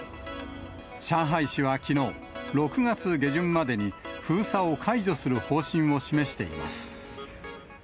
上海市はきのう、６月下旬までに封鎖を解除する方針を示しています。